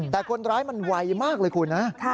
แต่คนร้ายมันไวมากเลยคุณนะ